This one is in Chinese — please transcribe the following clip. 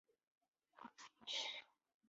圣吕曼德库泰。